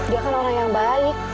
dia kan orang yang baik